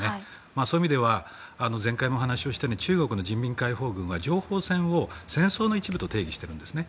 そういう意味では前回も話をしたように中国の人民解放軍は情報戦を戦争の一部と定義しているんですね。